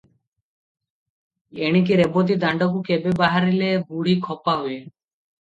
ଏଣିକି ରେବତୀ ଦାଣ୍ଡକୁ କେବେ ବାହାରିଲେ ବୁଢ଼ୀ ଖପା ହୁଏ।